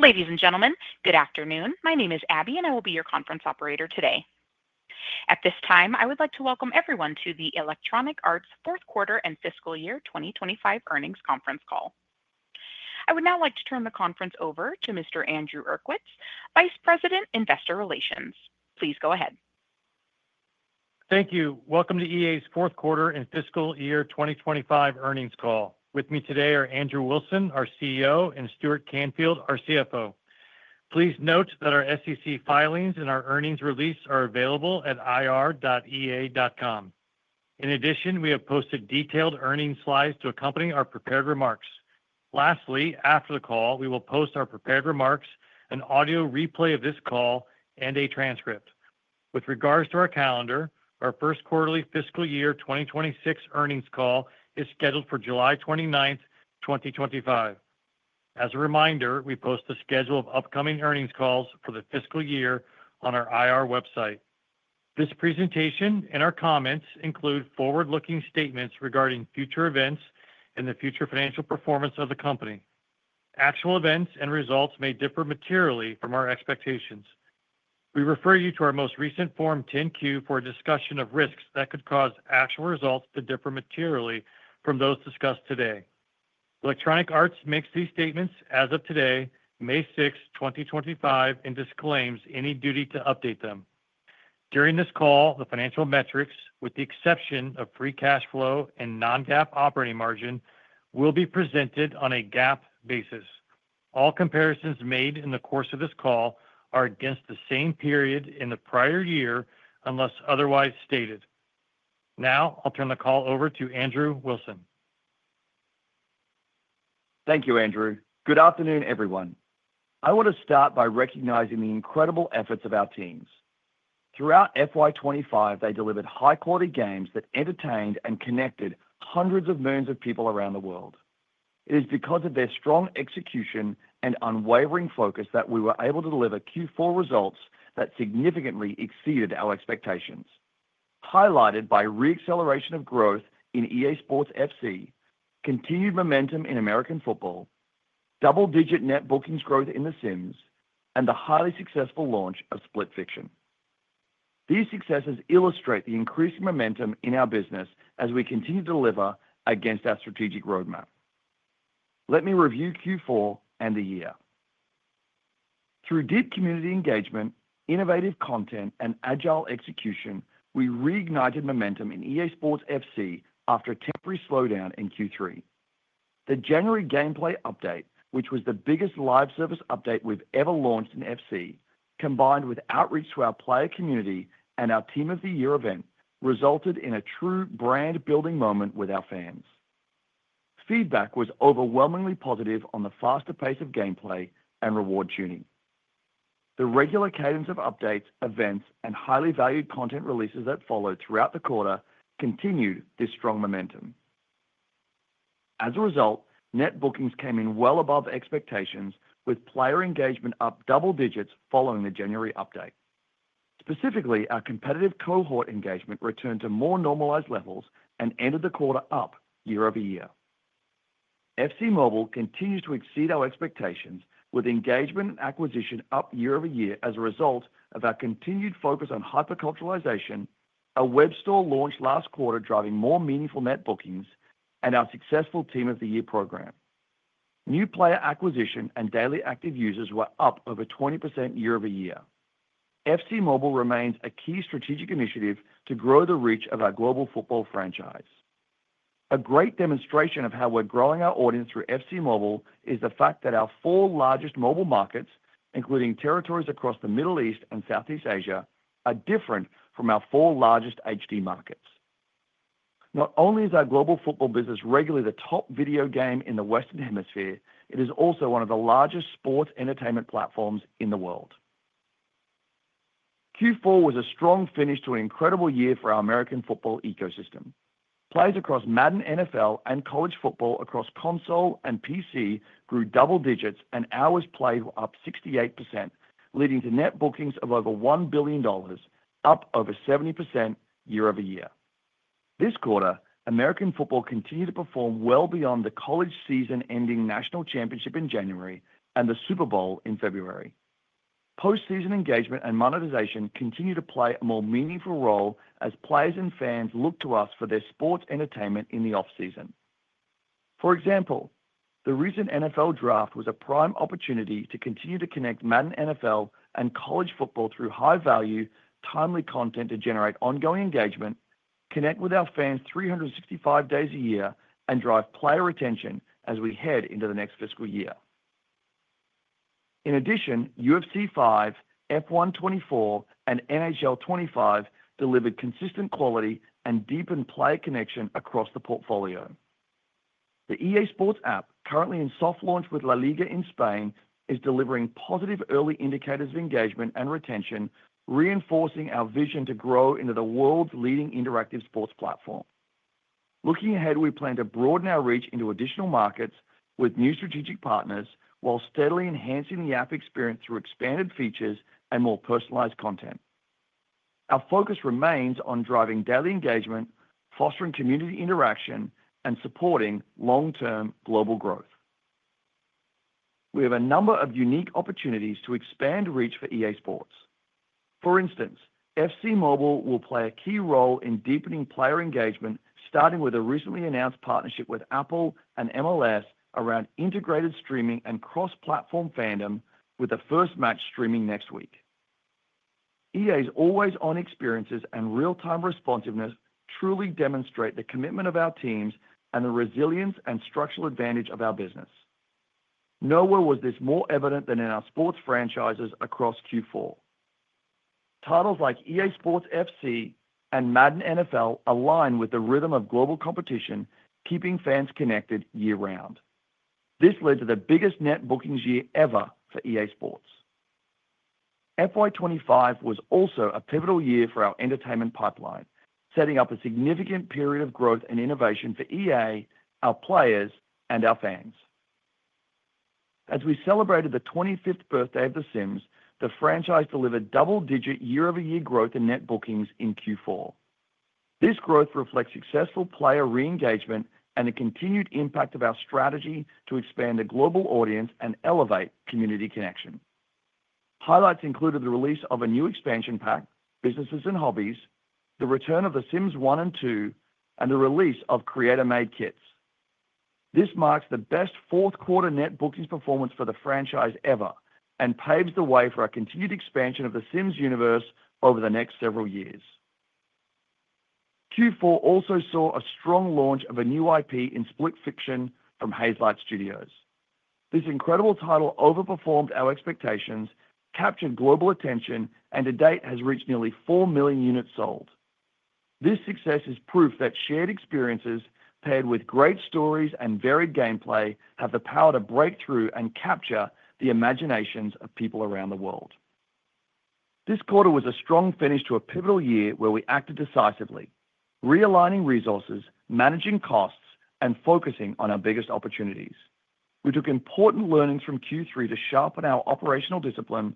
Ladies and gentlemen, good afternoon. My name is Abby, and I will be your conference operator today. At this time, I would like to welcome everyone to the Electronic Arts Fourth Quarter and Fiscal Year 2025 Earnings Conference Call. I would now like to turn the conference over to Mr. Andrew Uerkwitz, Vice President, Investor Relations. Please go ahead. Thank you. Welcome to EA's Fourth Quarter and Fiscal Year 2025 Earnings Call. With me today are Andrew Wilson, our CEO, and Stuart Canfield, our CFO. Please note that our SEC filings and our earnings release are available at ir.ea.com. In addition, we have posted detailed earnings slides to accompany our prepared remarks. Lastly, after the call, we will post our prepared remarks, an audio replay of this call, and a transcript. With regards to our calendar, our First Quarterly Fiscal Year 2026 Earnings Call is scheduled for July 29, 2025. As a reminder, we post the schedule of upcoming earnings calls for the fiscal year on our IR website. This presentation and our comments include forward-looking statements regarding future events and the future financial performance of the company. Actual events and results may differ materially from our expectations. We refer you to our most recent Form 10-Q for a discussion of risks that could cause actual results to differ materially from those discussed today. Electronic Arts makes these statements as of today, May 6, 2025, and disclaims any duty to update them. During this call, the financial metrics, with the exception of free cash flow and non-GAAP operating margin, will be presented on a GAAP basis. All comparisons made in the course of this call are against the same period in the prior year unless otherwise stated. Now, I'll turn the call over to Andrew Wilson. Thank you, Andrew. Good afternoon, everyone. I want to start by recognizing the incredible efforts of our teams. Throughout FY 2025, they delivered high-quality games that entertained and connected hundreds of millions of people around the world. It is because of their strong execution and unwavering focus that we were able to deliver Q4 results that significantly exceeded our expectations. Highlighted by re-acceleration of growth in EA Sports FC, continued momentum in American football, double-digit net bookings growth in The Sims, and the highly successful launch of Split Fiction. These successes illustrate the increasing momentum in our business as we continue to deliver against our strategic roadmap. Let me review Q4 and the year. Through deep community engagement, innovative content, and agile execution, we reignited momentum in EA Sports FC after a temporary slowdown in Q3. The January gameplay update, which was the biggest live service update we've ever launched in FC, combined with outreach to our player community and our Team of the Year event, resulted in a true brand-building moment with our fans. Feedback was overwhelmingly positive on the faster pace of gameplay and reward tuning. The regular cadence of updates, events, and highly valued content releases that followed throughout the quarter continued this strong momentum. As a result, net bookings came in well above expectations, with player engagement up double digits following the January update. Specifically, our competitive cohort engagement returned to more normalized levels and ended the quarter up year over year. FC Mobile continues to exceed our expectations, with engagement and acquisition up year over year as a result of our continued focus on hyperculturalization, a web store launched last quarter driving more meaningful net bookings, and our successful Team of the Year program. New player acquisition and daily active users were up over 20% year-over-year. FC Mobile remains a key strategic initiative to grow the reach of our global football franchise. A great demonstration of how we're growing our audience through FC Mobile is the fact that our four largest mobile markets, including territories across the Middle East and Southeast Asia, are different from our four largest HD markets. Not only is our global football business regularly the top video game in the Western Hemisphere, it is also one of the largest sports entertainment platforms in the world. Q4 was a strong finish to an incredible year for our American football ecosystem. Plays across Madden NFL and College Football across console and PC grew double digits, and hours played were up 68%, leading to net bookings of over $1 billion, up over 70% year-over-year. This quarter, American football continued to perform well beyond the College season-ending national championship in January and the Super Bowl in February. Post-season engagement and monetization continue to play a more meaningful role as players and fans look to us for their sports entertainment in the off-season. For example, the recent NFL Draft was a prime opportunity to continue to connect Madden NFL and College Football through high-value, timely content to generate ongoing engagement, connect with our fans 365 days a year, and drive player retention as we head into the next fiscal year. In addition, UFC 5, F1 24, and NHL 25 delivered consistent quality and deepened player connection across the portfolio. The EA Sports app, currently in soft launch with LALIGA in Spain, is delivering positive early indicators of engagement and retention, reinforcing our vision to grow into the world's leading interactive sports platform. Looking ahead, we plan to broaden our reach into additional markets with new strategic partners while steadily enhancing the app experience through expanded features and more personalized content. Our focus remains on driving daily engagement, fostering community interaction, and supporting long-term global growth. We have a number of unique opportunities to expand reach for EA Sports. For instance, FC Mobile will play a key role in deepening player engagement, starting with a recently announced partnership with Apple and MLS around integrated streaming and cross-platform fandom, with the first match streaming next week. EA's always-on experiences and real-time responsiveness truly demonstrate the commitment of our teams and the resilience and structural advantage of our business. Nowhere was this more evident than in our sports franchises across Q4. Titles like EA Sports FC and Madden NFL align with the rhythm of global competition, keeping fans connected year-round. This led to the biggest net bookings year ever for EA Sports. FY 2025 was also a pivotal year for our entertainment pipeline, setting up a significant period of growth and innovation for EA, our players, and our fans. As we celebrated the 25th birthday of The Sims, the franchise delivered double-digit year-over-year growth in net bookings in Q4. This growth reflects successful player re-engagement and the continued impact of our strategy to expand the global audience and elevate community connection. Highlights included the release of a new expansion pack, Businesses & Hobbies, the return of The Sims 1 and 2, and the release of Creator-Made Kits. This marks the best fourth-quarter net bookings performance for the franchise ever and paves the way for our continued expansion of The Sims universe over the next several years. Q4 also saw a strong launch of a new IP in Split Fiction from Hazelight Studios. This incredible title overperformed our expectations, captured global attention, and to date has reached nearly 4 million units sold. This success is proof that shared experiences, paired with great stories and varied gameplay, have the power to break through and capture the imaginations of people around the world. This quarter was a strong finish to a pivotal year where we acted decisively, re-aligning resources, managing costs, and focusing on our biggest opportunities. We took important learnings from Q3 to sharpen our operational discipline,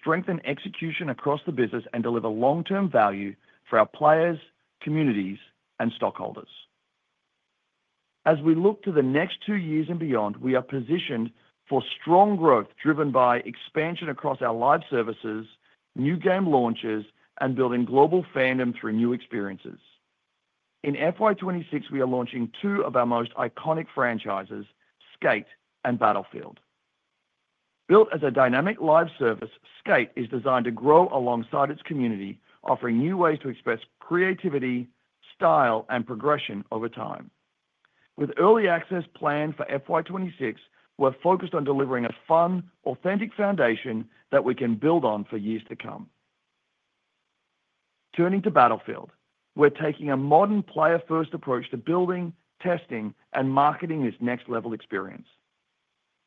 strengthen execution across the business, and deliver long-term value for our players, communities, and stockholders. As we look to the next two years and beyond, we are positioned for strong growth driven by expansion across our live services, new game launches, and building global fandom through new experiences. In FY 2026, we are launching two of our most iconic franchises, Skate and Battlefield. Built as a dynamic live service, Skate is designed to grow alongside its community, offering new ways to express creativity, style, and progression over time. With early access planned for FY 2026, we're focused on delivering a fun, authentic foundation that we can build on for years to come. Turning to Battlefield, we're taking a modern player-first approach to building, testing, and marketing this next-level experience.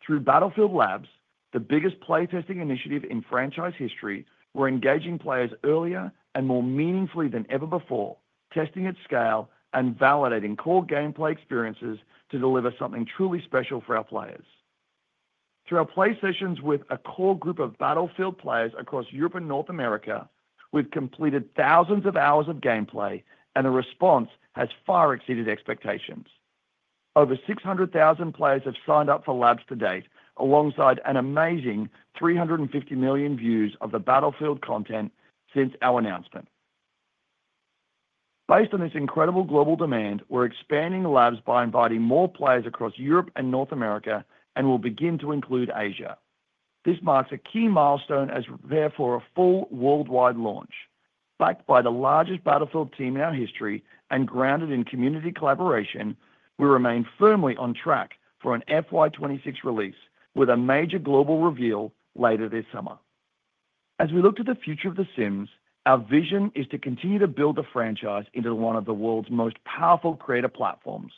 Through Battlefield Labs, the biggest playtesting initiative in franchise history, we're engaging players earlier and more meaningfully than ever before, testing at scale and validating core gameplay experiences to deliver something truly special for our players. Through our play sessions with a core group of Battlefield players across Europe and North America, we've completed thousands of hours of gameplay, and the response has far exceeded expectations. Over 600,000 players have signed up for Labs to date, alongside an amazing 350 million views of the Battlefield content since our announcement. Based on this incredible global demand, we're expanding Labs by inviting more players across Europe and North America, and we'll begin to include Asia. This marks a key milestone as we prepare for a full worldwide launch. Backed by the largest Battlefield team in our history and grounded in community collaboration, we remain firmly on track for an FY 2026 release with a major global reveal later this summer. As we look to the future of The Sims, our vision is to continue to build the franchise into one of the world's most powerful creator platforms,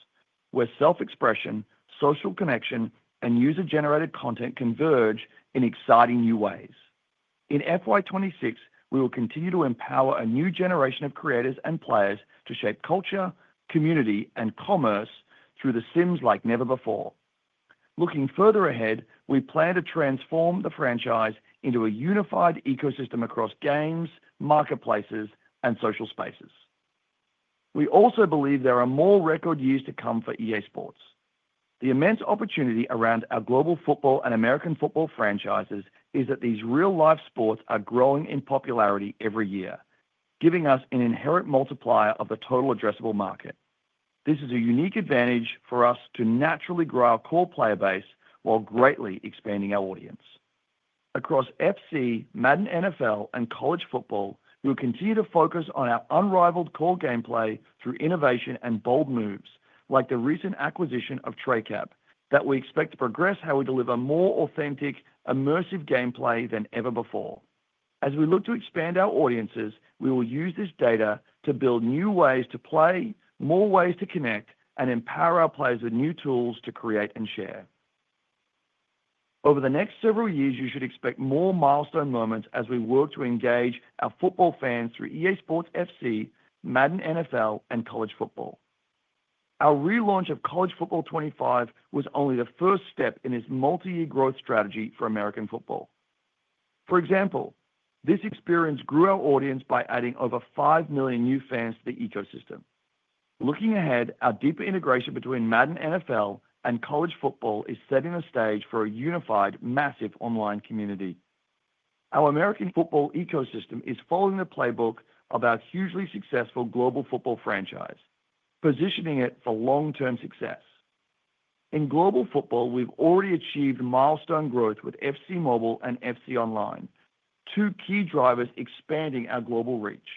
where self-expression, social connection, and user-generated content converge in exciting new ways. In FY 2026, we will continue to empower a new generation of creators and players to shape culture, community, and commerce through The Sims like never before. Looking further ahead, we plan to transform the franchise into a unified ecosystem across games, marketplaces, and social spaces. We also believe there are more record years to come for EA Sports. The immense opportunity around our global football and American football franchises is that these real-life sports are growing in popularity every year, giving us an inherent multiplier of the total addressable market. This is a unique advantage for us to naturally grow our core player base while greatly expanding our audience. Across FC, Madden NFL, and College Football, we will continue to focus on our unrivaled core gameplay through innovation and bold moves, like the recent acquisition of TreyCap, that we expect to progress how we deliver more authentic, immersive gameplay than ever before. As we look to expand our audiences, we will use this data to build new ways to play, more ways to connect, and empower our players with new tools to create and share. Over the next several years, you should expect more milestone moments as we work to engage our football fans through EA Sports FC, Madden NFL, and College Football. Our relaunch of College Football 25 was only the first step in this multi-year growth strategy for American football. For example, this experience grew our audience by adding over 5 million new fans to the ecosystem. Looking ahead, our deeper integration between Madden NFL and College Football is setting the stage for a unified, massive online community. Our American football ecosystem is following the playbook of our hugely successful global football franchise, positioning it for long-term success. In global football, we've already achieved milestone growth with FC Mobile and FC Online, two key drivers expanding our global reach.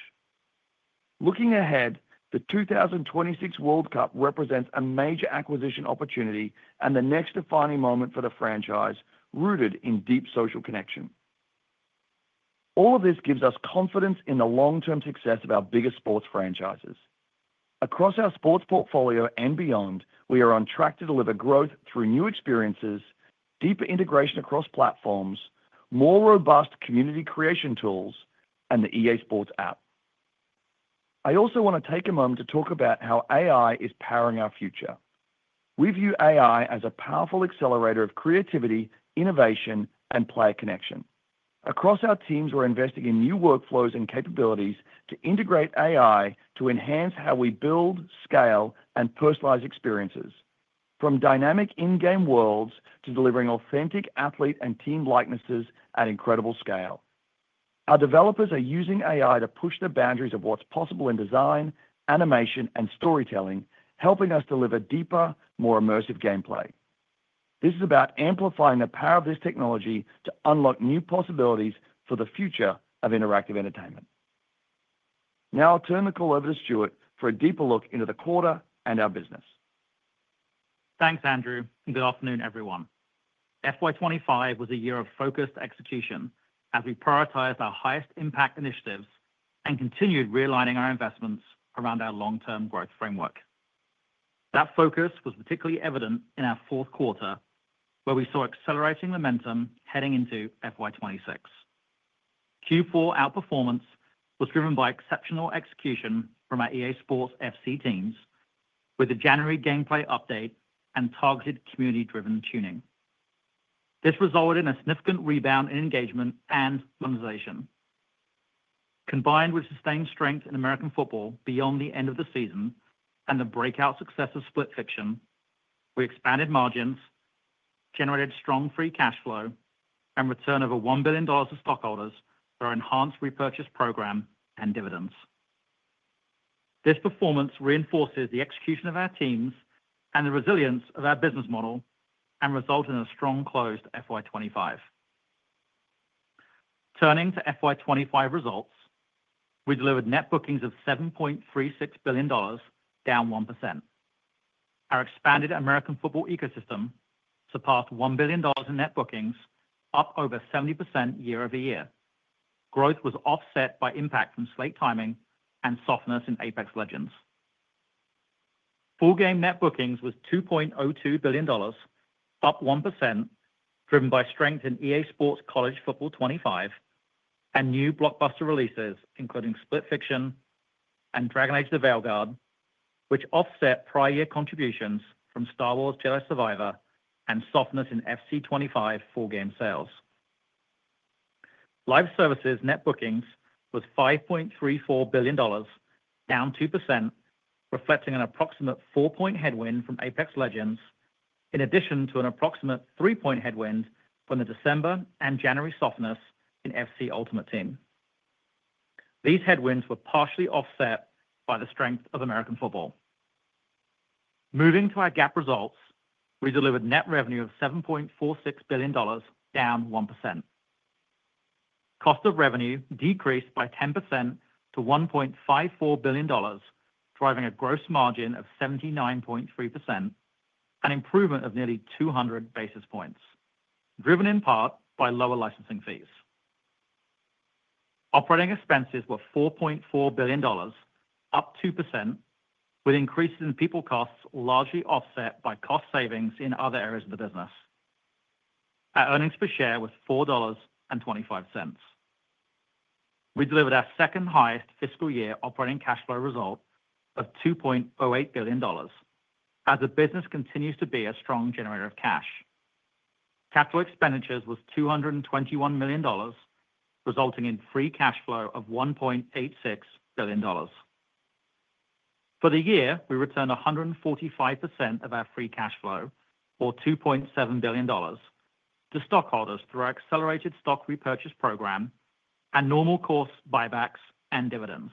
Looking ahead, the 2026 World Cup represents a major acquisition opportunity and the next defining moment for the franchise, rooted in deep social connection. All of this gives us confidence in the long-term success of our biggest sports franchises. Across our sports portfolio and beyond, we are on track to deliver growth through new experiences, deeper integration across platforms, more robust community creation tools, and the EA Sports app. I also want to take a moment to talk about how AI is powering our future. We view AI as a powerful accelerator of creativity, innovation, and player connection. Across our teams, we're investing in new workflows and capabilities to integrate AI to enhance how we build, scale, and personalize experiences, from dynamic in-game worlds to delivering authentic athlete and team likenesses at incredible scale. Our developers are using AI to push the boundaries of what's possible in design, animation, and storytelling, helping us deliver deeper, more immersive gameplay. This is about amplifying the power of this technology to unlock new possibilities for the future of interactive entertainment. Now I'll turn the call over to Stuart for a deeper look into the quarter and our business. Thanks, Andrew, and good afternoon, everyone. FY 2025 was a year of focused execution as we prioritized our highest impact initiatives and continued re-aligning our investments around our long-term growth framework. That focus was particularly evident in our fourth quarter, where we saw accelerating momentum heading into FY 2026. Q4 outperformance was driven by exceptional execution from our EA Sports FC teams with the January gameplay update and targeted community-driven tuning. This resulted in a significant rebound in engagement and monetization. Combined with sustained strength in American football beyond the end of the season and the breakout success of Split Fiction, we expanded margins, generated strong free cash flow, and returned over $1 billion to stockholders through our enhanced repurchase program and dividends. This performance reinforces the execution of our teams and the resilience of our business model and resulted in a strong close to FY 2025. Turning to FY 2025 results, we delivered net bookings of $7.36 billion, down 1%. Our expanded American football ecosystem surpassed $1 billion in net bookings, up over 70% year-over-year. Growth was offset by impact from slate timing and softness in Apex Legends. Full-game net bookings was $2.02 billion, up 1%, driven by strength in EA Sports College Football 25 and new blockbuster releases, including Split Fiction and Dragon Age: The Veilguard, which offset prior year contributions from Star Wars Jedi: Survivor and softness in FC 25 full-game sales. Live services net bookings was $5.34 billion, down 2%, reflecting an approximate 4-point headwind from Apex Legends, in addition to an approximate 3-point headwind from the December and January softness in FC Ultimate Team. These headwinds were partially offset by the strength of American football. Moving to our GAAP results, we delivered net revenue of $7.46 billion, down 1%. Cost of revenue decreased by 10% to $1.54 billion, driving a gross margin of 79.3% and improvement of nearly 200 basis points, driven in part by lower licensing fees. Operating expenses were $4.4 billion, up 2%, with increases in people costs largely offset by cost savings in other areas of the business. Our earnings per share was $4.25. We delivered our second-highest fiscal year operating cash flow result of $2.08 billion, as the business continues to be a strong generator of cash. Capital expenditures was $221 million, resulting in free cash flow of $1.86 billion. For the year, we returned 145% of our free cash flow, or $2.7 billion, to stockholders through our accelerated stock repurchase program and normal-course buybacks and dividends.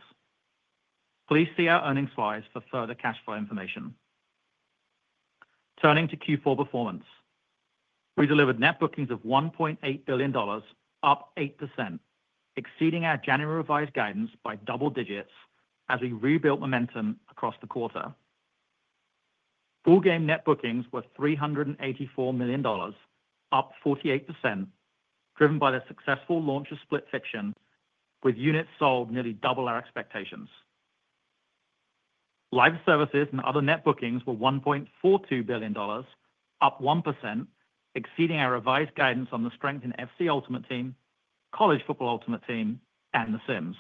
Please see our earnings slides for further cash flow information. Turning to Q4 performance, we delivered net bookings of $1.8 billion, up 8%, exceeding our January revised guidance by double digits as we rebuilt momentum across the quarter. Full-game net bookings were $384 million, up 48%, driven by the successful launch of Split Fiction, with units sold nearly double our expectations. Live services and other net bookings were $1.42 billion, up 1%, exceeding our revised guidance on the strength in FC Ultimate Team, College Football Ultimate Team, and The Sims.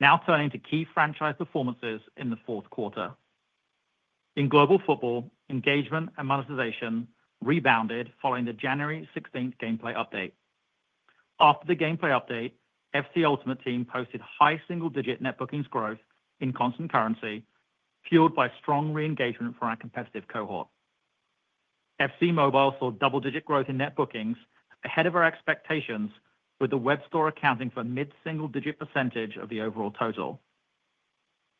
Now turning to key franchise performances in the fourth quarter. In global football, engagement and monetization rebounded following the January 16th gameplay update. After the gameplay update, FC Ultimate Team posted high single-digit net bookings growth in constant currency, fueled by strong re-engagement from our competitive cohort. FC Mobile saw double-digit growth in net bookings ahead of our expectations, with the web store accounting for a mid-single-digit percentage of the overall total.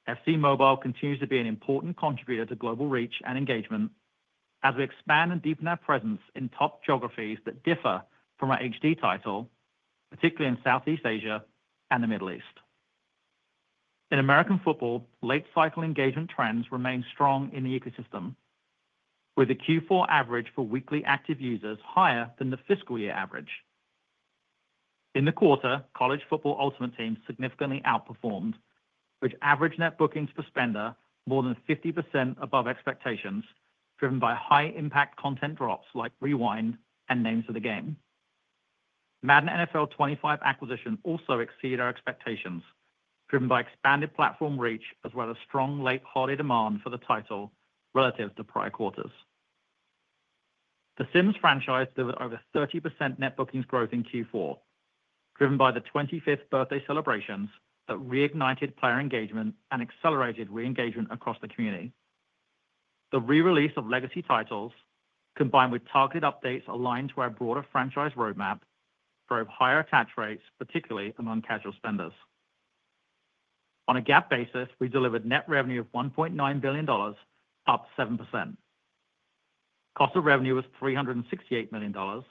FC Mobile continues to be an important contributor to global reach and engagement as we expand and deepen our presence in top geographies that differ from our HD title, particularly in Southeast Asia and the Middle East. In American football, late-cycle engagement trends remain strong in the ecosystem, with the Q4 average for weekly active users higher than the fiscal year average. In the quarter, College Football Ultimate Team significantly outperformed, which averaged net bookings per spender more than 50% above expectations, driven by high-impact content drops like Rewind and names of the game. Madden NFL 25 acquisition also exceeded our expectations, driven by expanded platform reach as well as strong late holiday demand for the title relative to prior quarters. The Sims franchise delivered over 30% net bookings growth in Q4, driven by the 25th birthday celebrations that reignited player engagement and accelerated re-engagement across the community. The re-release of legacy titles, combined with targeted updates aligned to our broader franchise roadmap, drove higher attach rates, particularly among casual spenders. On a GAAP basis, we delivered net revenue of $1.9 billion, up 7%. Cost of revenue was $368 million,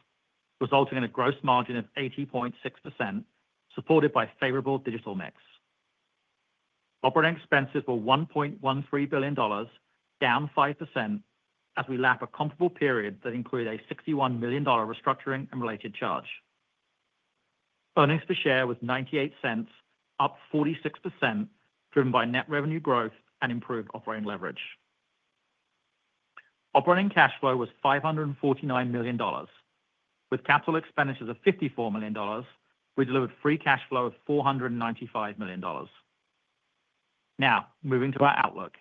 resulting in a gross margin of 80.6%, supported by favorable digital mix. Operating expenses were $1.13 billion, down 5%, as we lap a comparable period that included a $61 million restructuring and related charge. Earnings per share was $0.98, up 46%, driven by net revenue growth and improved operating leverage. Operating cash flow was $549 million. With capital expenditures of $54 million, we delivered free cash flow of $495 million. Now, moving to our outlook,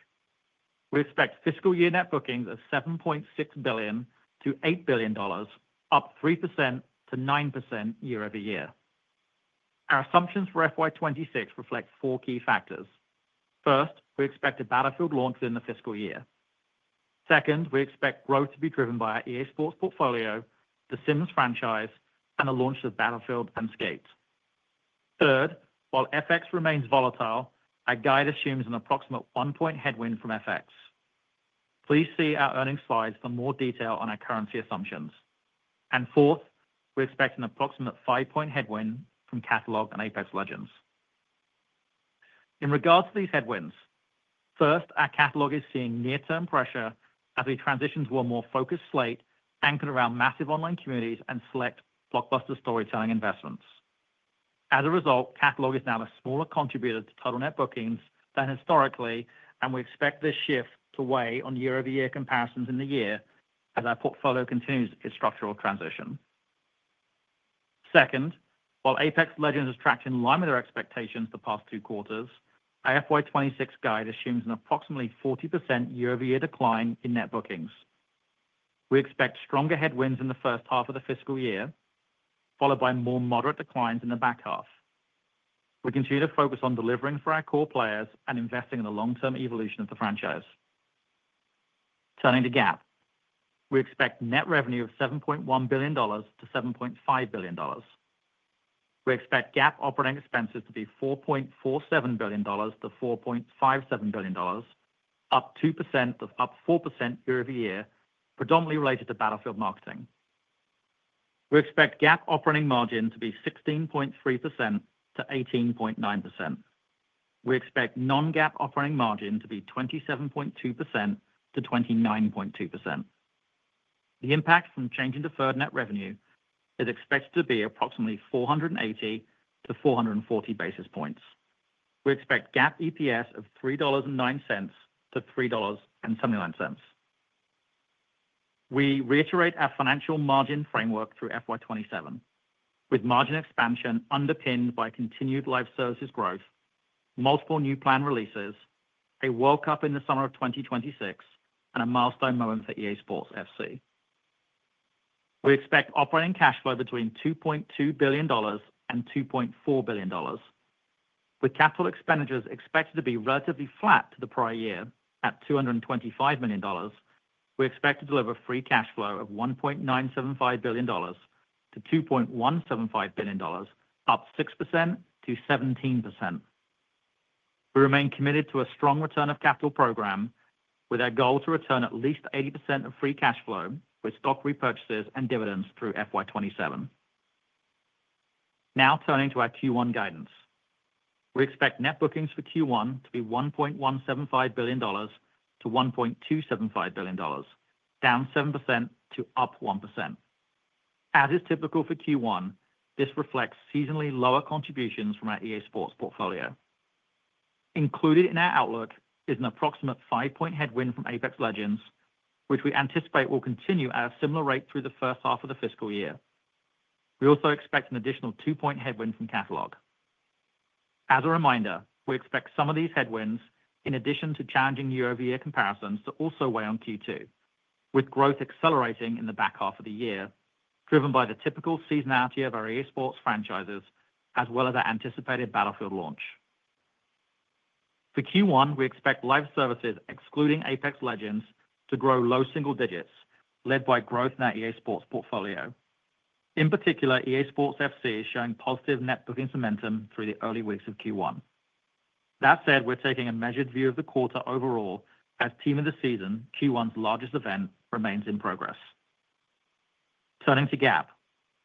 we expect fiscal year net bookings of $7.6 billion-$8 billion, up 3%-9% year-over-year. Our assumptions for FY 2026 reflect four key factors. First, we expect a Battlefield launch within the fiscal year. Second, we expect growth to be driven by our EA Sports portfolio, The Sims franchise, and the launch of Battlefield and Skate. Third, while FX remains volatile, our guide assumes an approximate 1% headwind from FX. Please see our earnings slides for more detail on our currency assumptions. Fourth, we expect an approximate 5% headwind from Catalog and Apex Legends. In regards to these headwinds, first, our Catalog is seeing near-term pressure as we transition to a more focused slate anchored around massive online communities and select blockbuster storytelling investments. As a result, Catalog is now a smaller contributor to total net bookings than historically, and we expect this shift to weigh on year-over-year comparisons in the year as our portfolio continues its structural transition. Second, while Apex Legends has tracked in line with our expectations the past two quarters, our FY 2026 guide assumes an approximately 40% year-over-year decline in net bookings. We expect stronger headwinds in the first half of the fiscal year, followed by more moderate declines in the back half. We continue to focus on delivering for our core players and investing in the long-term evolution of the franchise. Turning to GAAP, we expect net revenue of $7.1 billion-$7.5 billion. We expect GAAP operating expenses to be $4.47 billion-$4.57 billion, up 2%-4% year-over-year, predominantly related to Battlefield marketing. We expect GAAP operating margin to be 16.3%-18.9%. We expect non-GAAP operating margin to be 27.2%-29.2%. The impact from changing to third net revenue is expected to be approximately 480-440 basis points. We expect GAAP EPS of $3.09-$3.79. We reiterate our financial margin framework through FY 2027, with margin expansion underpinned by continued live services growth, multiple new planned releases, a World Cup in the summer of 2026, and a milestone moment for EA Sports FC. We expect operating cash flow between $2.2 billion and $2.4 billion. With capital expenditures expected to be relatively flat to the prior year at $225 million, we expect to deliver free cash flow of $1.975 billion-$2.175 billion, up 6%-17%. We remain committed to a strong return of capital program, with our goal to return at least 80% of free cash flow with stock repurchases and dividends through FY 2027. Now turning to our Q1 guidance, we expect net bookings for Q1 to be $1.175 billion-$1.275 billion, down 7% to up 1%. As is typical for Q1, this reflects seasonally lower contributions from our EA Sports portfolio. Included in our outlook is an approximate 5% headwind from Apex Legends, which we anticipate will continue at a similar rate through the first half of the fiscal year. We also expect an additional 2% headwind from Catalog. As a reminder, we expect some of these headwinds, in addition to challenging year-over-year comparisons, to also weigh on Q2, with growth accelerating in the back half of the year, driven by the typical seasonality of our EA Sports franchises as well as our anticipated Battlefield launch. For Q1, we expect live services, excluding Apex Legends, to grow low single digits, led by growth in our EA Sports portfolio. In particular, EA Sports FC is showing positive net bookings momentum through the early weeks of Q1. That said, we're taking a measured view of the quarter overall as Team of the Season, Q1's largest event, remains in progress. Turning to GAAP,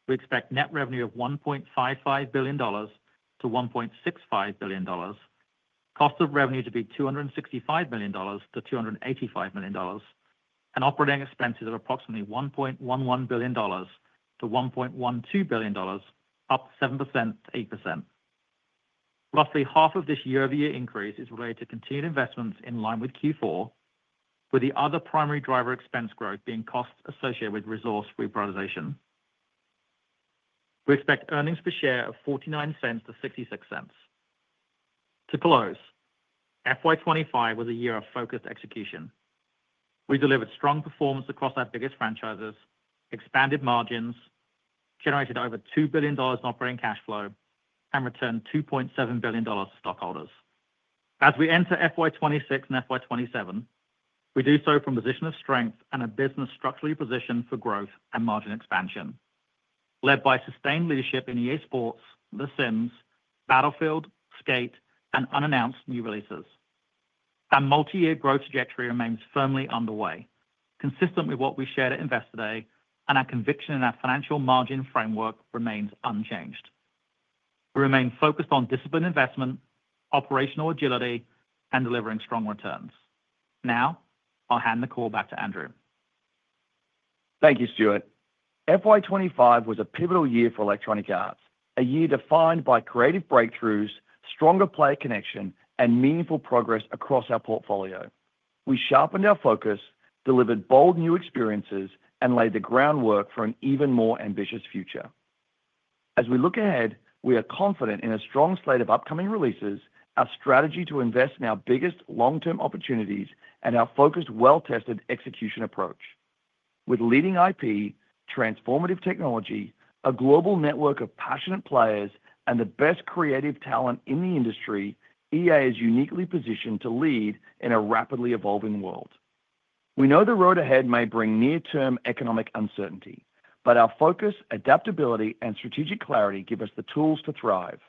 we expect net revenue of $1.55 billion-$1.65 billion, cost of revenue to be $265 million-$285 million, and operating expenses of approximately $1.11 billion-$1.12 billion, up 7%-8%. Roughly half of this year-over-year increase is related to continued investments in line with Q4, with the other primary driver of expense growth being costs associated with resource revitalization. We expect earnings per share of $0.49-$0.66. To close, FY 2025 was a year of focused execution. We delivered strong performance across our biggest franchises, expanded margins, generated over $2 billion in operating cash flow, and returned $2.7 billion to stockholders. As we enter FY 2026 and FY 2027, we do so from a position of strength and a business structurally positioned for growth and margin expansion, led by sustained leadership in EA Sports, The Sims, Battlefield, Skate, and unannounced new releases. Our multi-year growth trajectory remains firmly underway, consistent with what we shared at Investor Day, and our conviction in our financial margin framework remains unchanged. We remain focused on disciplined investment, operational agility, and delivering strong returns. Now, I'll hand the call back to Andrew. Thank you, Stuart. FY 2025 was a pivotal year for Electronic Arts, a year defined by creative breakthroughs, stronger player connection, and meaningful progress across our portfolio. We sharpened our focus, delivered bold new experiences, and laid the groundwork for an even more ambitious future. As we look ahead, we are confident in a strong slate of upcoming releases, our strategy to invest in our biggest long-term opportunities, and our focused, well-tested execution approach. With leading IP, transformative technology, a global network of passionate players, and the best creative talent in the industry, EA is uniquely positioned to lead in a rapidly evolving world. We know the road ahead may bring near-term economic uncertainty, but our focus, adaptability, and strategic clarity give us the tools to thrive.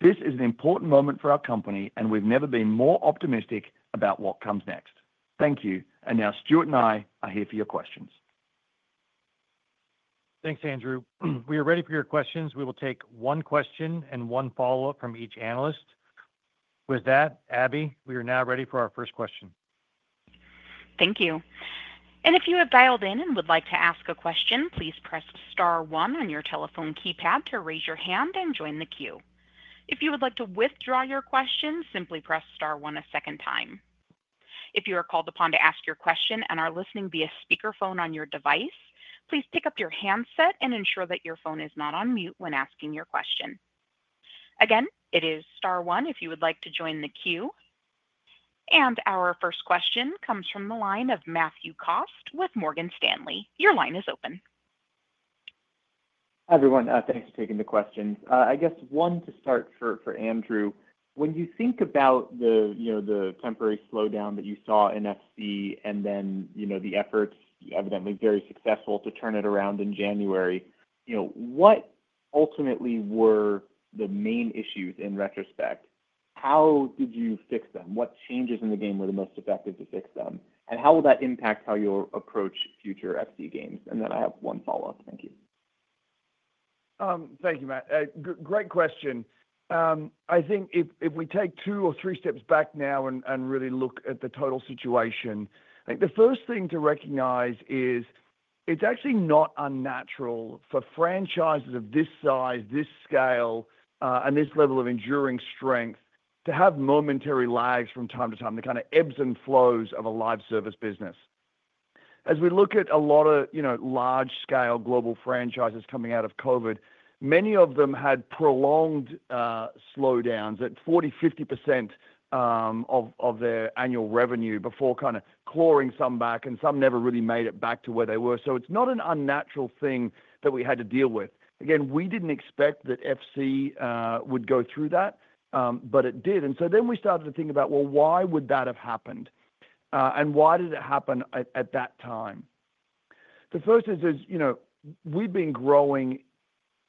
This is an important moment for our company, and we've never been more optimistic about what comes next. Thank you, and now Stuart and I are here for your questions. Thanks, Andrew. We are ready for your questions. We will take one question and one follow-up from each analyst. With that, Abby, we are now ready for our first question. Thank you. If you have dialed in and would like to ask a question, please press star one on your telephone keypad to raise your hand and join the queue. If you would like to withdraw your question, simply press star one a second time. If you are called upon to ask your question and are listening via speakerphone on your device, please pick up your handset and ensure that your phone is not on mute when asking your question. Again, it is star one if you would like to join the queue. Our first question comes from the line of Matthew Cost with Morgan Stanley. Your line is open. Hi, everyone. Thanks for taking the question. I guess one to start for Andrew. When you think about the temporary slowdown that you saw in FC and then the efforts, evidently very successful, to turn it around in January, what ultimately were the main issues in retrospect? How did you fix them? What changes in the game were the most effective to fix them? How will that impact how you'll approach future FC games? I have one follow-up. Thank you. Thank you, Matt. Great question. I think if we take two or three steps back now and really look at the total situation, I think the first thing to recognize is it's actually not unnatural for franchises of this size, this scale, and this level of enduring strength to have momentary lags from time to time, the kind of ebbs and flows of a live service business. As we look at a lot of large-scale global franchises coming out of COVID, many of them had prolonged slowdowns at 40%-50% of their annual revenue before kind of clawing some back, and some never really made it back to where they were. It is not an unnatural thing that we had to deal with. Again, we did not expect that FC would go through that, but it did. We started to think about, why would that have happened? Why did it happen at that time? The first is we have been growing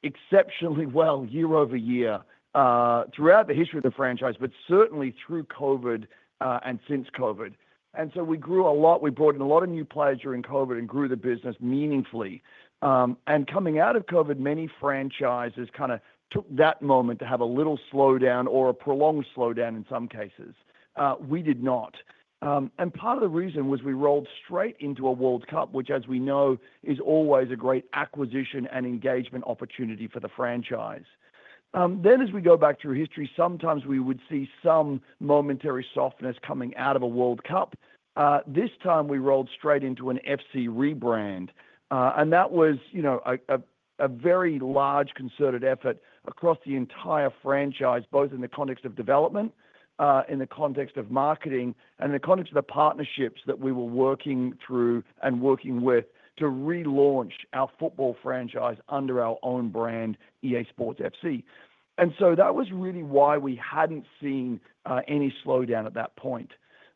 exceptionally well year over year throughout the history of the franchise, but certainly through COVID and since COVID. We grew a lot. We brought in a lot of new players during COVID and grew the business meaningfully. Coming out of COVID, many franchises kind of took that moment to have a little slowdown or a prolonged slowdown in some cases. We did not. Part of the reason was we rolled straight into a World Cup, which, as we know, is always a great acquisition and engagement opportunity for the franchise. As we go back through history, sometimes we would see some momentary softness coming out of a World Cup. This time, we rolled straight into an FC rebrand. That was a very large concerted effort across the entire franchise, both in the context of development, in the context of marketing, and in the context of the partnerships that we were working through and working with to relaunch our football franchise under our own brand, EA Sports FC. That was really why we had not seen any slowdown at that point.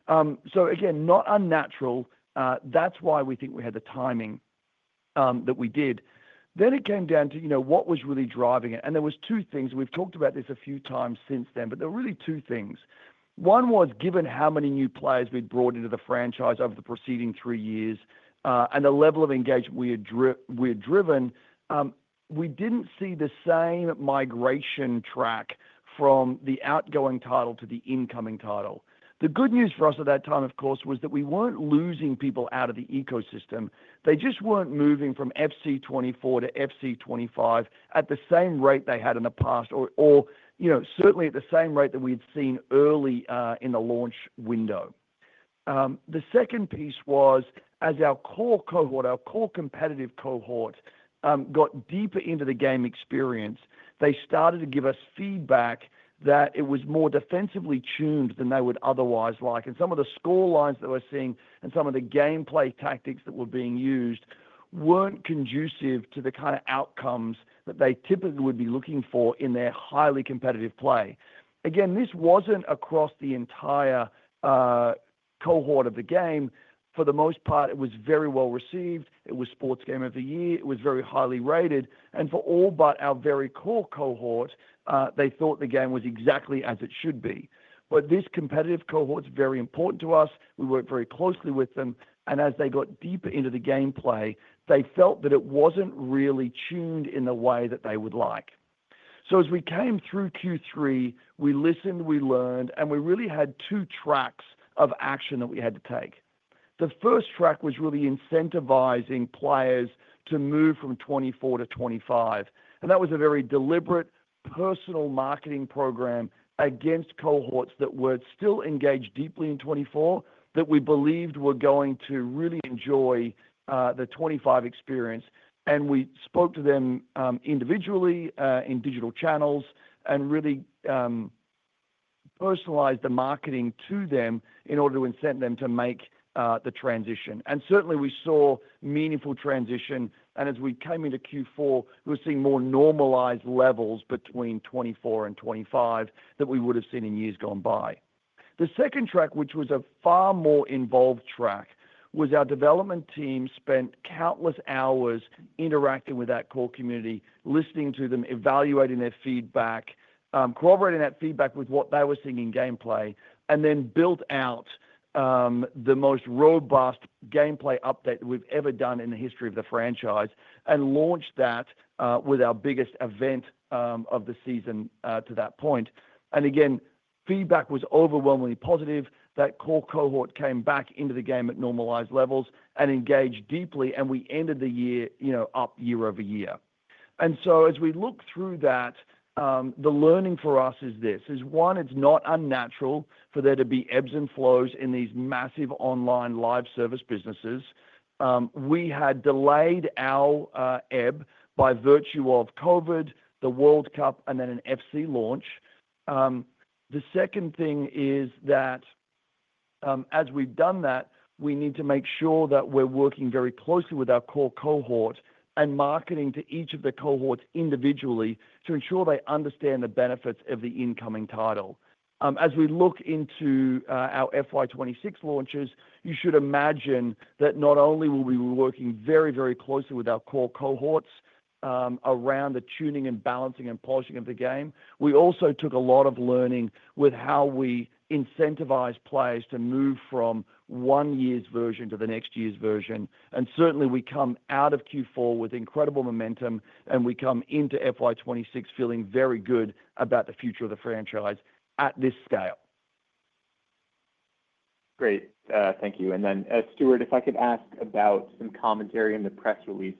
Again, not unnatural. That is why we think we had the timing that we did. It came down to what was really driving it. There were two things. We have talked about this a few times since then, but there were really two things. One was, given how many new players we had brought into the franchise over the preceding three years and the level of engagement we had driven, we did not see the same migration track from the outgoing title to the incoming title. The good news for us at that time, of course, was that we were not losing people out of the ecosystem. They just were not moving from FC 24 to FC 25 at the same rate they had in the past, or certainly at the same rate that we had seen early in the launch window. The second piece was, as our core cohort, our core competitive cohort, got deeper into the game experience, they started to give us feedback that it was more defensively tuned than they would otherwise like. Some of the score lines that we're seeing and some of the gameplay tactics that were being used weren't conducive to the kind of outcomes that they typically would be looking for in their highly competitive play. Again, this wasn't across the entire cohort of the game. For the most part, it was very well received. It was Sports Game of the Year. It was very highly rated. For all but our very core cohort, they thought the game was exactly as it should be. This competitive cohort is very important to us. We work very closely with them. As they got deeper into the gameplay, they felt that it was not really tuned in the way that they would like. As we came through Q3, we listened, we learned, and we really had two tracks of action that we had to take. The first track was really incentivizing players to move from 24 to 25. That was a very deliberate personal marketing program against cohorts that were still engaged deeply in 24, that we believed were going to really enjoy the 25 experience. We spoke to them individually in digital channels and really personalized the marketing to them in order to incent them to make the transition. Certainly, we saw meaningful transition. As we came into Q4, we were seeing more normalized levels between 24 and 25 that we would have seen in years gone by. The second track, which was a far more involved track, was our development team spent countless hours interacting with that core community, listening to them, evaluating their feedback, corroborating that feedback with what they were seeing in gameplay, and then built out the most robust gameplay update that we've ever done in the history of the franchise and launched that with our biggest event of the season to that point. Again, feedback was overwhelmingly positive. That core cohort came back into the game at normalized levels and engaged deeply, and we ended the year up year over year. As we look through that, the learning for us is this: one, it's not unnatural for there to be ebbs and flows in these massive online live service businesses. We had delayed our ebb by virtue of COVID, the World Cup, and then an FC launch. The second thing is that as we've done that, we need to make sure that we're working very closely with our core cohort and marketing to each of the cohorts individually to ensure they understand the benefits of the incoming title. As we look into our FY 2026 launches, you should imagine that not only were we working very, very closely with our core cohorts around the tuning and balancing and polishing of the game, we also took a lot of learning with how we incentivize players to move from one year's version to the next year's version. Certainly, we come out of Q4 with incredible momentum, and we come into FY 2026 feeling very good about the future of the franchise at this scale. Great. Thank you. Then, Stuart, if I could ask about some commentary in the press release.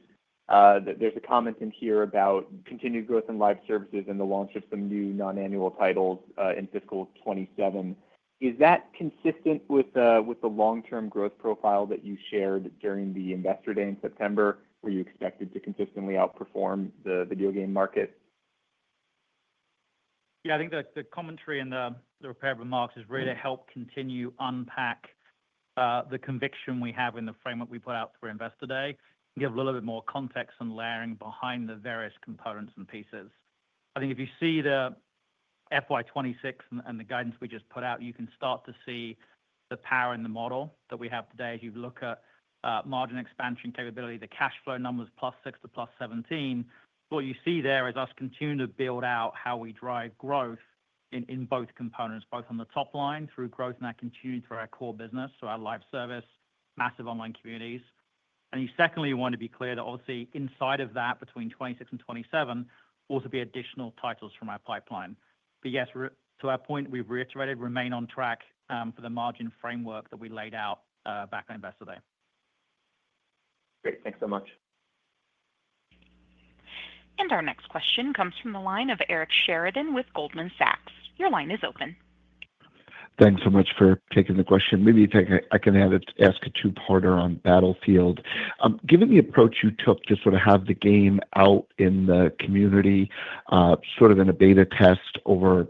There's a comment in here about continued growth in live services and the launch of some new non-annual titles in fiscal 2027. Is that consistent with the long-term growth profile that you shared during the Investor Day in September? Were you expected to consistently outperform the video game market? Yeah, I think the commentary and the prepared remarks has really helped continue to unpack the conviction we have in the framework we put out through Investor Day and give a little bit more context and layering behind the various components and pieces. I think if you see the FY 2026 and the guidance we just put out, you can start to see the power in the model that we have today as you look at margin expansion capability, the cash flow numbers plus 6 to plus 17. What you see there is us continuing to build out how we drive growth in both components, both on the top line through growth and our continuity through our core business, so our live service, massive online communities. Secondly, we want to be clear that obviously inside of that between 2026 and 2027, there will also be additional titles from our pipeline. Yes, to our point, we've reiterated, remain on track for the margin framework that we laid out back on Investor Day. Great. Thanks so much. Our next question comes from the line of Eric Sheridan with Goldman Sachs. Your line is open. Thanks so much for taking the question. Maybe I can have it ask a two-parter on Battlefield. Given the approach you took to sort of have the game out in the community, sort of in a beta test over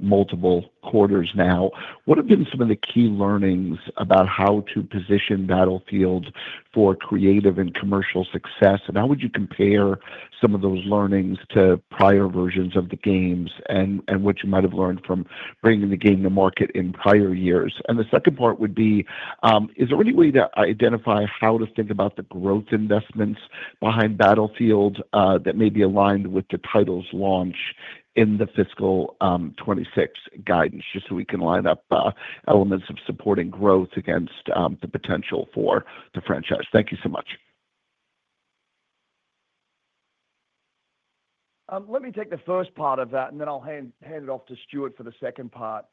multiple quarters now, what have been some of the key learnings about how to position Battlefield for creative and commercial success? How would you compare some of those learnings to prior versions of the games and what you might have learned from bringing the game to market in prior years? The second part would be, is there any way to identify how to think about the growth investments behind Battlefield that may be aligned with the title's launch in the fiscal 2026 guidance, just so we can line up elements of supporting growth against the potential for the franchise? Thank you so much. Let me take the first part of that, and then I'll hand it off to Stuart for the second part.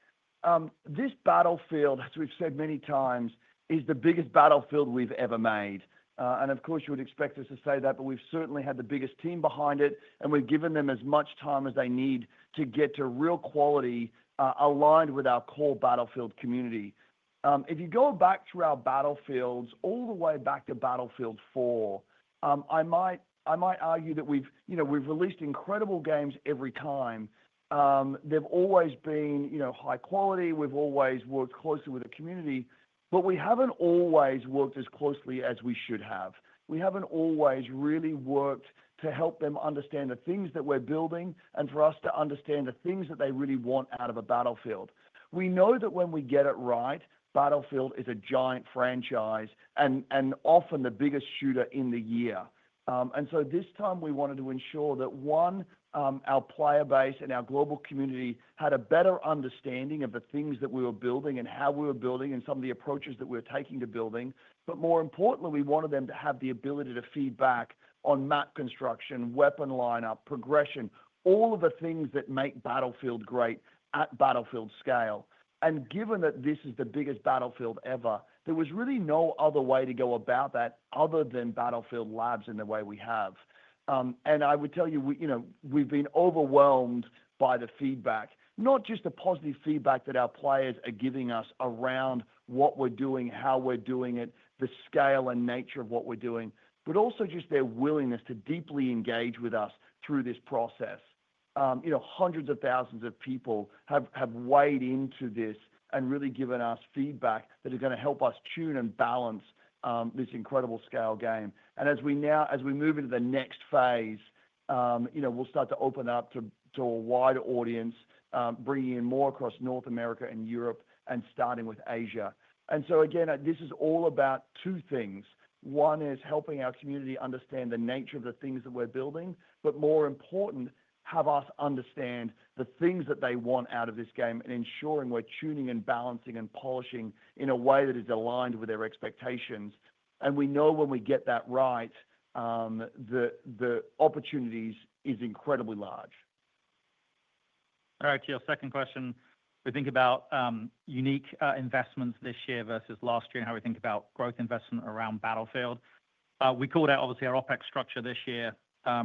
This Battlefield, as we've said many times, is the biggest Battlefield we've ever made. Of course, you would expect us to say that, but we've certainly had the biggest team behind it, and we've given them as much time as they need to get to real quality aligned with our core Battlefield community. If you go back through our Battlefields, all the way back to Battlefield 4, I might argue that we've released incredible games every time. They've always been high quality. We've always worked closely with the community, but we haven't always worked as closely as we should have. We haven't always really worked to help them understand the things that we're building and for us to understand the things that they really want out of a Battlefield. We know that when we get it right, Battlefield is a giant franchise and often the biggest shooter in the year. This time, we wanted to ensure that, one, our player base and our global community had a better understanding of the things that we were building and how we were building and some of the approaches that we were taking to building. More importantly, we wanted them to have the ability to feed back on map construction, weapon lineup, progression, all of the things that make Battlefield great at Battlefield scale. Given that this is the biggest Battlefield ever, there was really no other way to go about that other than Battlefield Labs in the way we have. I would tell you, we've been overwhelmed by the feedback, not just the positive feedback that our players are giving us around what we're doing, how we're doing it, the scale and nature of what we're doing, but also just their willingness to deeply engage with us through this process. Hundreds of thousands of people have weighed into this and really given us feedback that are going to help us tune and balance this incredible scale game. As we move into the next phase, we'll start to open up to a wider audience, bringing in more across North America and Europe and starting with Asia. This is all about two things. One is helping our community understand the nature of the things that we're building, but more important, have us understand the things that they want out of this game and ensuring we're tuning and balancing and polishing in a way that is aligned with their expectations. We know when we get that right, the opportunity is incredibly large. All right. To your second question, we think about unique investments this year versus last year and how we think about growth investment around Battlefield. We called out, obviously, our OpEx structure this year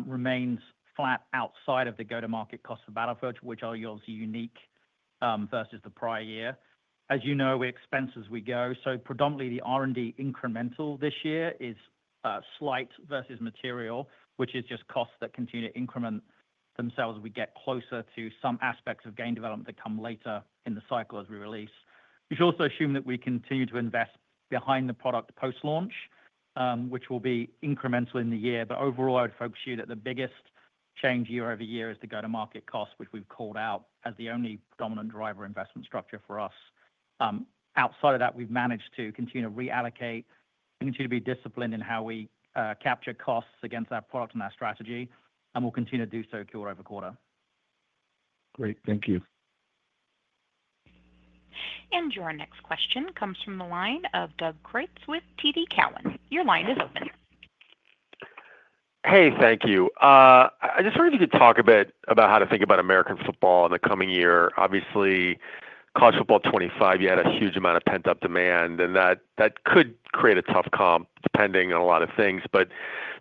remains flat outside of the go-to-market cost of Battlefield, which are unique versus the prior year. As you know, we expense as we go. Predominantly, the R&D incremental this year is slight versus material, which is just costs that continue to increment themselves as we get closer to some aspects of game development that come later in the cycle as we release. We should also assume that we continue to invest behind the product post-launch, which will be incremental in the year. Overall, I would focus you that the biggest change year over year is the go-to-market cost, which we've called out as the only dominant driver investment structure for us. Outside of that, we've managed to continue to reallocate and continue to be disciplined in how we capture costs against our product and our strategy, and we'll continue to do so through all over quarter. Great. Thank you. Your next question comes from the line of Doug Creutz with TD Cowen. Your line is open. Hey, thank you. I just wonder if you could talk a bit about how to think about American football in the coming year. Obviously, College Football 25, you had a huge amount of pent-up demand, and that could create a tough comp depending on a lot of things.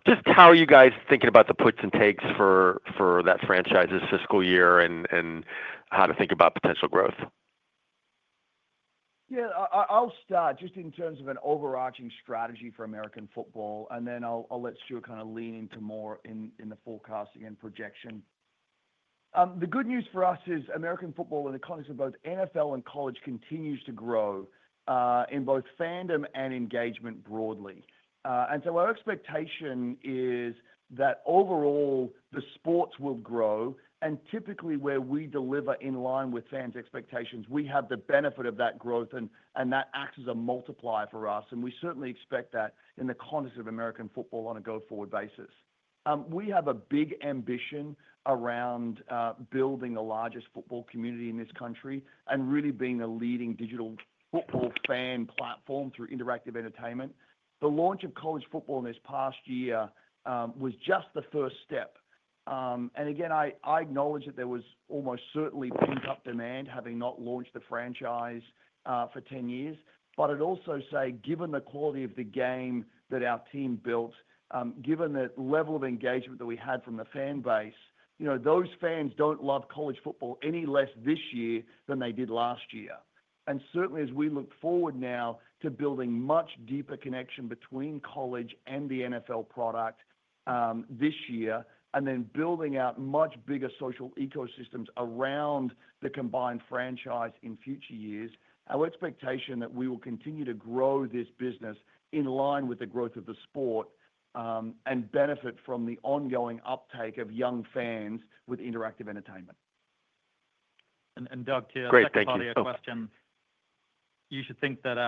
Just how are you guys thinking about the puts and takes for that franchise's fiscal year and how to think about potential growth? Yeah, I'll start just in terms of an overarching strategy for American football, and then I'll let Stuart kind of lean into more in the forecasting and projection. The good news for us is American football in the context of both NFL and College continues to grow in both fandom and engagement broadly. Our expectation is that overall, the sports will grow. Typically, where we deliver in line with fans' expectations, we have the benefit of that growth, and that acts as a multiplier for us. We certainly expect that in the context of American football on a go-forward basis. We have a big ambition around building the largest football community in this country and really being a leading digital football fan platform through interactive entertainment. The launch of College Football in this past year was just the first step. I acknowledge that there was almost certainly pent-up demand having not launched the franchise for 10 years. I'd also say, given the quality of the game that our team built, given the level of engagement that we had from the fan base, those fans do not love College Football any less this year than they did last year. Certainly, as we look forward now to building much deeper connection between College and the NFL product this year and then building out much bigger social ecosystems around the combined franchise in future years, our expectation is that we will continue to grow this business in line with the growth of the sport and benefit from the ongoing uptake of young fans with interactive entertainment. Doug, to your question, you should think that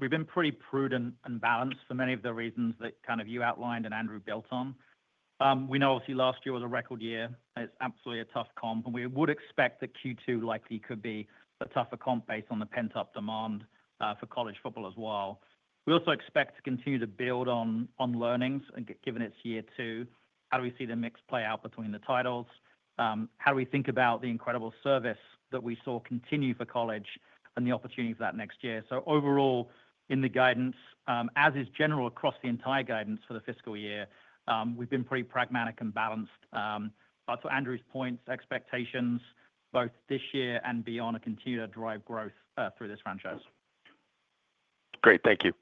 we've been pretty prudent and balanced for many of the reasons that you outlined and Andrew built on. We know, obviously, last year was a record year. It's absolutely a tough comp, and we would expect that Q2 likely could be a tougher comp based on the pent-up demand for College Football as well. We also expect to continue to build on learnings given it's year two. How do we see the mix play out between the titles? How do we think about the incredible service that we saw continue for College and the opportunity for that next year? Overall, in the guidance, as is general across the entire guidance for the fiscal year, we've been pretty pragmatic and balanced. To Andrew's point, expectations both this year and beyond are continuing to drive growth through this franchise. Great. Thank you.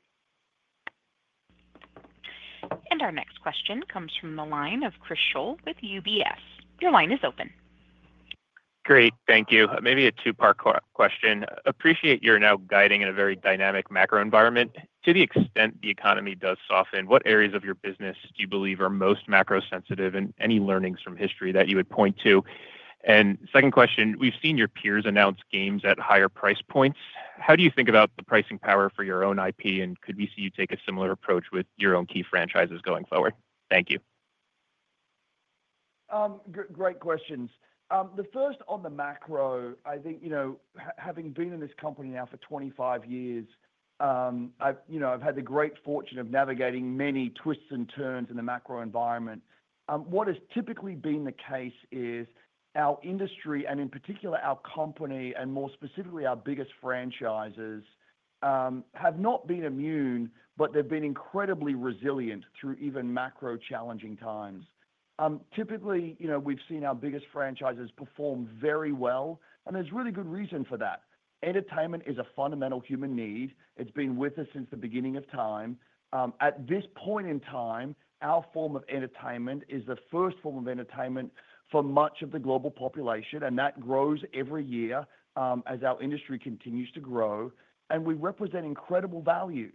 Our next question comes from the line of Chris Schoell with UBS. Your line is open. Great. Thank you. Maybe a two-part question. Appreciate your now guiding in a very dynamic macro environment. To the extent the economy does soften, what areas of your business do you believe are most macro-sensitive and any learnings from history that you would point to? Second question, we've seen your peers announce games at higher price points. How do you think about the pricing power for your own IP? And could we see you take a similar approach with your own key franchises going forward? Thank you. Great questions. The first on the macro, I think having been in this company now for 25 years, I've had the great fortune of navigating many twists and turns in the macro environment. What has typically been the case is our industry, and in particular, our company and more specifically, our biggest franchises, have not been immune, but they've been incredibly resilient through even macro-challenging times. Typically, we've seen our biggest franchises perform very well, and there's really good reason for that. Entertainment is a fundamental human need. It's been with us since the beginning of time. At this point in time, our form of entertainment is the first form of entertainment for much of the global population, and that grows every year as our industry continues to grow. We represent incredible value.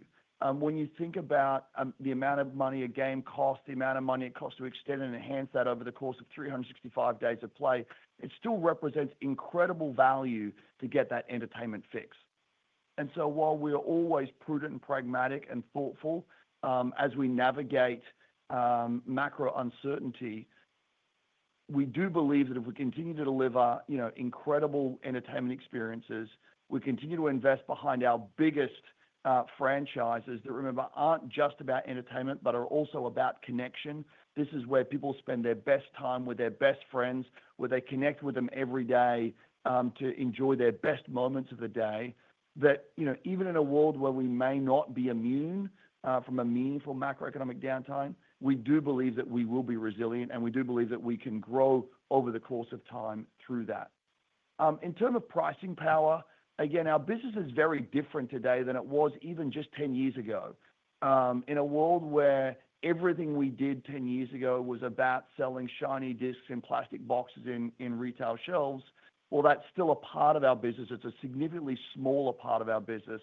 When you think about the amount of money a game costs, the amount of money it costs to extend and enhance that over the course of 365 days of play, it still represents incredible value to get that entertainment fix. While we're always prudent and pragmatic and thoughtful as we navigate macro uncertainty, we do believe that if we continue to deliver incredible entertainment experiences, we continue to invest behind our biggest franchises that, remember, aren't just about entertainment, but are also about connection. This is where people spend their best time with their best friends, where they connect with them every day to enjoy their best moments of the day. That even in a world where we may not be immune from a meaningful macroeconomic downtime, we do believe that we will be resilient, and we do believe that we can grow over the course of time through that. In terms of pricing power, again, our business is very different today than it was even just 10 years ago. In a world where everything we did 10 years ago was about selling shiny disks in plastic boxes in retail shelves, that is still a part of our business. It is a significantly smaller part of our business.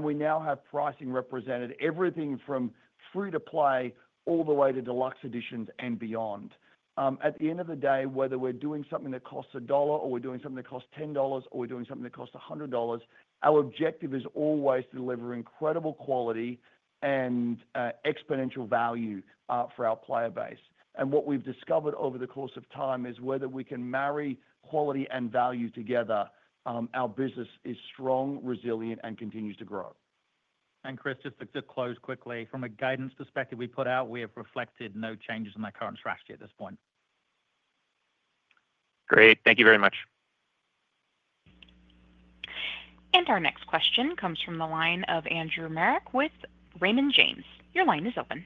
We now have pricing represented everything from free-to-play all the way to deluxe editions and beyond. At the end of the day, whether we're doing something that costs a dollar, or we're doing something that costs $10, or we're doing something that costs $100, our objective is always to deliver incredible quality and exponential value for our player base. What we've discovered over the course of time is whether we can marry quality and value together, our business is strong, resilient, and continues to grow. Chris, just to close quickly, from a guidance perspective we put out, we have reflected no changes in our current strategy at this point. Great. Thank you very much. Our next question comes from the line of Andrew Marok with Raymond James. Your line is open.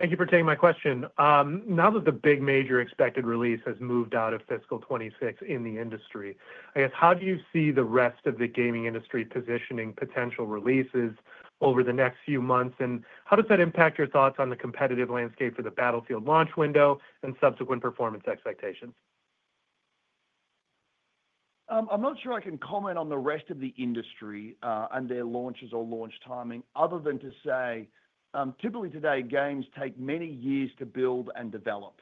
Thank you for taking my question. Now that the big major expected release has moved out of fiscal 2026 in the industry, I guess, how do you see the rest of the gaming industry positioning potential releases over the next few months? How does that impact your thoughts on the competitive landscape for the Battlefield launch window and subsequent performance expectations? I'm not sure I can comment on the rest of the industry and their launches or launch timing other than to say, typically today, games take many years to build and develop.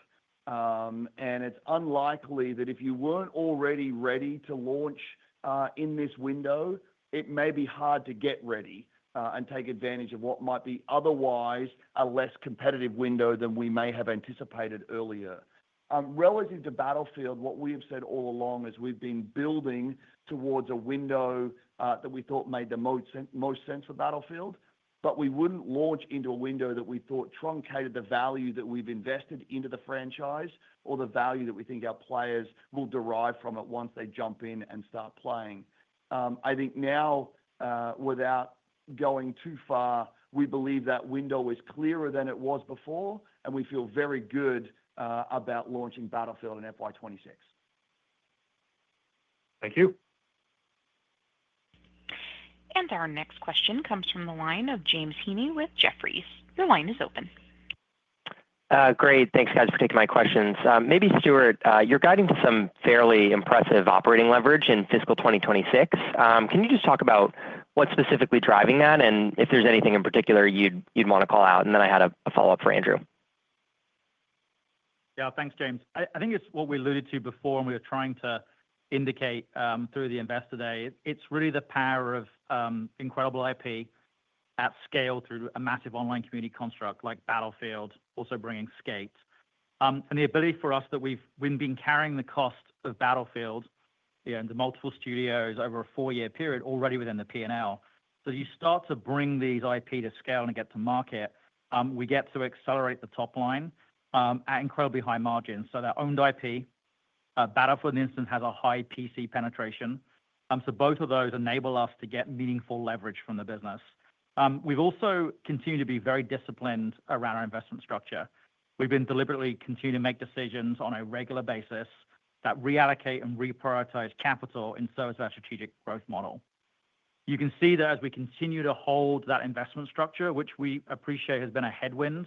It's unlikely that if you weren't already ready to launch in this window, it may be hard to get ready and take advantage of what might be otherwise a less competitive window than we may have anticipated earlier. Relative to Battlefield, what we have said all along is we've been building towards a window that we thought made the most sense for Battlefield, but we wouldn't launch into a window that we thought truncated the value that we've invested into the franchise or the value that we think our players will derive from it once they jump in and start playing. I think now, without going too far, we believe that window is clearer than it was before, and we feel very good about launching Battlefield in FY 2026. Thank you. Our next question comes from the line of James Heaney with Jeffries. Your line is open. Great. Thanks, guys, for taking my questions. Maybe Stuart, you're guiding to some fairly impressive operating leverage in fiscal 2026. Can you just talk about what's specifically driving that and if there's anything in particular you'd want to call out? I had a follow-up for Andrew. Yeah, thanks, James. I think it's what we alluded to before when we were trying to indicate through the investor day. It's really the power of incredible IP at scale through a massive online community construct like Battlefield, also bringing Skate. The ability for us that we've been carrying the cost of Battlefield into multiple studios over a four-year period already within the P&L. You start to bring these IP to scale and get to market, we get to accelerate the top line at incredibly high margins. That owned IP, Battlefield, for instance, has a high PC penetration. Both of those enable us to get meaningful leverage from the business. We've also continued to be very disciplined around our investment structure. We've been deliberately continuing to make decisions on a regular basis that reallocate and reprioritize capital in service of our strategic growth model. You can see that as we continue to hold that investment structure, which we appreciate has been a headwind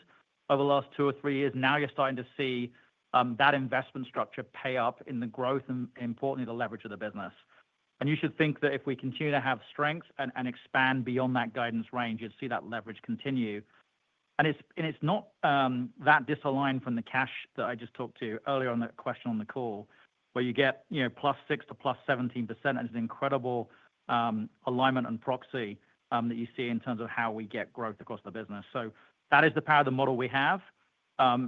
over the last two or three years, now you're starting to see that investment structure pay up in the growth and, importantly, the leverage of the business. You should think that if we continue to have strength and expand beyond that guidance range, you'd see that leverage continue. It's not that disaligned from the cash that I just talked to earlier on that question on the call, where you get +6%-+17% as an incredible alignment and proxy that you see in terms of how we get growth across the business. That is the power of the model we have.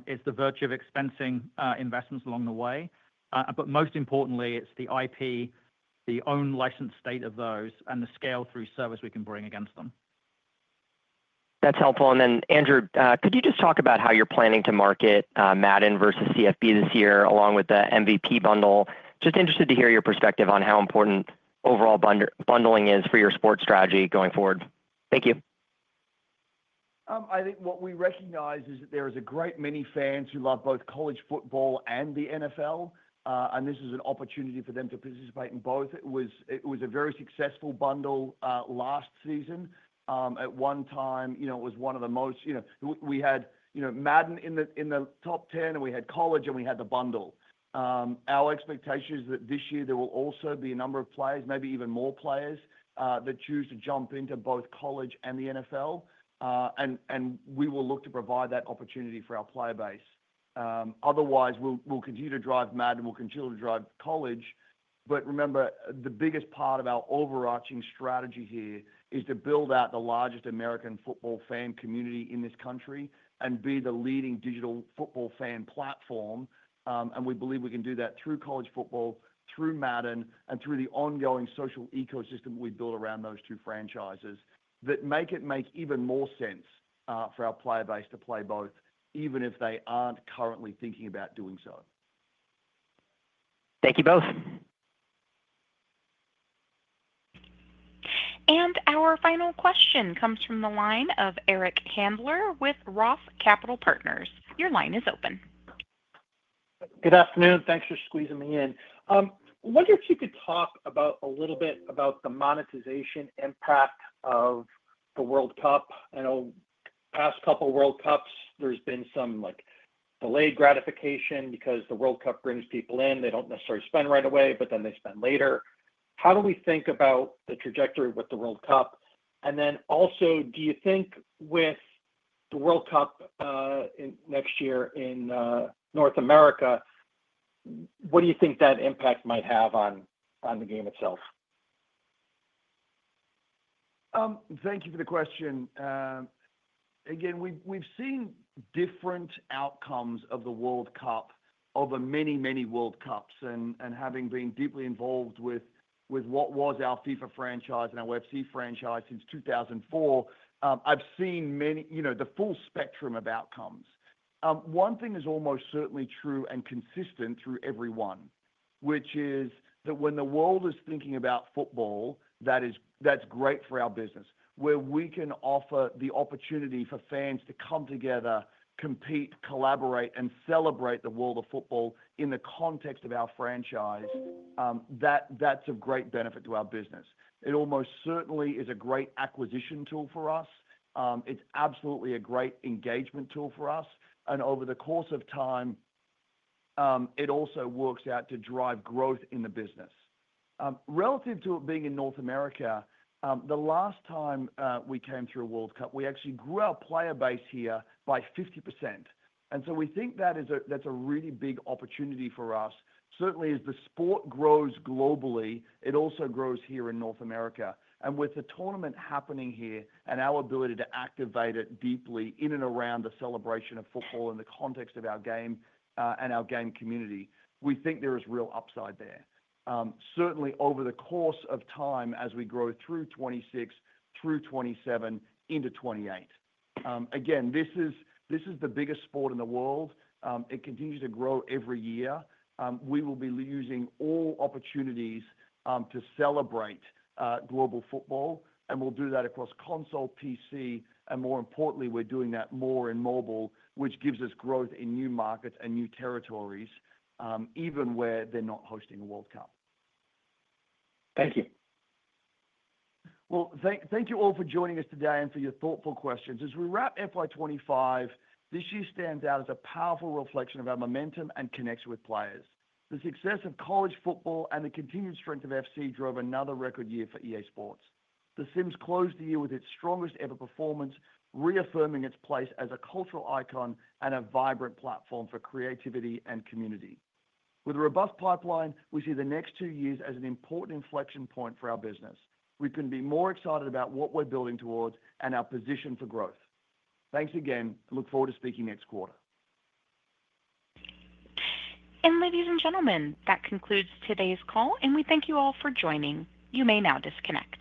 It's the virtue of expensing investments along the way. Most importantly, it's the IP, the owned license state of those, and the scale-through service we can bring against them. That's helpful. Andrew, could you just talk about how you're planning to market Madden versus CFB this year along with the MVP bundle? Just interested to hear your perspective on how important overall bundling is for your sports strategy going forward. Thank you. I think what we recognize is that there is a great many fans who love both College Football and the NFL, and this is an opportunity for them to participate in both. It was a very successful bundle last season. At one time, it was one of the most—we had Madden in the top 10, and we had College, and we had the bundle. Our expectation is that this year there will also be a number of players, maybe even more players, that choose to jump into both College and the NFL. We will look to provide that opportunity for our player base. Otherwise, we'll continue to drive Madden. We'll continue to drive College. Remember, the biggest part of our overarching strategy here is to build out the largest American football fan community in this country and be the leading digital football fan platform. We believe we can do that through College Football, through Madden, and through the ongoing social ecosystem we build around those two franchises that make it make even more sense for our player base to play both, even if they aren't currently thinking about doing so. Thank you both. Our final question comes from the line of Eric Handler with Roth Capital Partners. Your line is open. Good afternoon. Thanks for squeezing me in. I wonder if you could talk a little bit about the monetization impact of the World Cup. In the past couple of World Cups, there's been some delayed gratification because the World Cup brings people in. They don't necessarily spend right away, but then they spend later. How do we think about the trajectory with the World Cup? Also, do you think with the World Cup next year in North America, what do you think that impact might have on the game itself? Thank you for the question. Again, we've seen different outcomes of the World Cup, of the many, many World Cups. Having been deeply involved with what was our FIFA franchise and our UFC franchise since 2004, I've seen the full spectrum of outcomes. One thing is almost certainly true and consistent through everyone, which is that when the world is thinking about football, that's great for our business. Where we can offer the opportunity for fans to come together, compete, collaborate, and celebrate the world of football in the context of our franchise, that's of great benefit to our business. It almost certainly is a great acquisition tool for us. It's absolutely a great engagement tool for us. Over the course of time, it also works out to drive growth in the business. Relative to it being in North America, the last time we came through a World Cup, we actually grew our player base here by 50%. We think that's a really big opportunity for us. Certainly, as the sport grows globally, it also grows here in North America. With the tournament happening here and our ability to activate it deeply in and around the celebration of football in the context of our game and our game community, we think there is real upside there. Certainly, over the course of time, as we grow through 2026, through 2027, into 2028. This is the biggest sport in the world. It continues to grow every year. We will be using all opportunities to celebrate global football. We'll do that across console, PC, and more importantly, we're doing that more in mobile, which gives us growth in new markets and new territories, even where they're not hosting a World Cup. Thank you. Thank you all for joining us today and for your thoughtful questions. As we wrap FY 2025, this year stands out as a powerful reflection of our momentum and connection with players. The success of College Football and the continued strength of FC drove another record year for EA Sports. The Sims closed the year with its strongest-ever performance, reaffirming its place as a cultural icon and a vibrant platform for creativity and community. With a robust pipeline, we see the next two years as an important inflection point for our business. We can be more excited about what we're building towards and our position for growth. Thanks again. Look forward to speaking next quarter. Ladies and gentlemen, that concludes today's call, and we thank you all for joining. You may now disconnect.